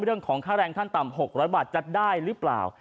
เรื่องของค่าแรงขั้นต่ำ๖๐๐บาทจะได้หรือเปล่า